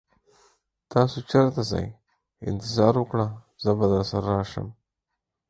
تاسو چیرته ځئ؟ انتظار وکړه، زه به درسره راشم.